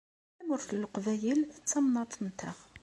Tamurt n Leqbayel d tamnaḍt-nteɣ.